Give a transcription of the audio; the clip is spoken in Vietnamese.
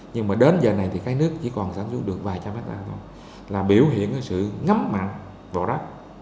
nhưng mà đến giờ này thì cái nước chỉ còn sản xuất được vài trăm hectare thôi là biểu hiện sự ngắm mặn vào đó